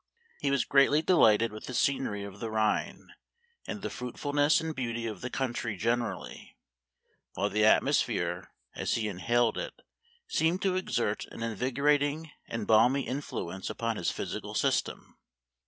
He was greatly delighted with the scenery of the Rhine, and the fruitful ness and beauty of the country generally ; while the atmosphere, as he inhaled it, seemed to exert an invigorating and balmy influence upon his physical system.